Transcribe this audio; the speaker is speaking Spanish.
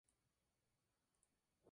Ralph, el orden y la civilización.